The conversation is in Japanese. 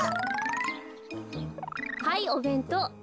はいおべんとう。